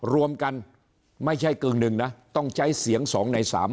รวมกันไม่ใช่กึ่งหนึ่งนะต้องใช้เสียง๒ใน๓